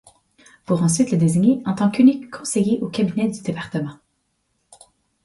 Pour ensuite le désigner en tant qu’unique Conseiller au Cabinet du Département.